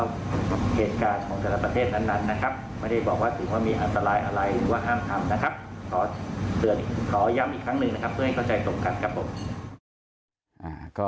ไม่ได้บอกว่าถือว่ามีอันตรายอะไรหรือว่าห้ามทำนะครับขอย้ำอีกครั้งหนึ่งนะครับเพื่อให้เข้าใจตรงกันครับผม